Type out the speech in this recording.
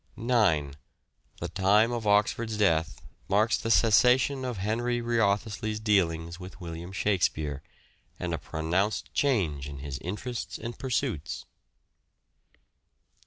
9. The time of Oxford's death marks the cessation of Henry Wriothesley's dealings with William Shakspere, and a pronounced change in his interests and pursuits.